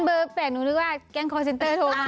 เพื่อแปลกนึงลึกว่าแกล้งคอลเซ็นเตอร์โทรมา